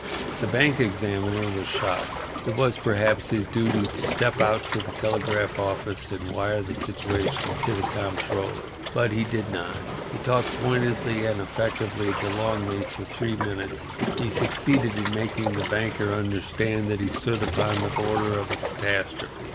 The bank examiner was shocked. It was, perhaps, his duty to step out to the telegraph office and wire the situation to the Comptroller. But he did not. He talked pointedly and effectively to Longley for three minutes. He succeeded in making the banker understand that he stood upon the border of a catastrophe.